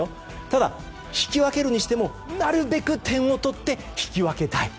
ただ、引き分けるにしてもなるべく点を取って引き分けたい。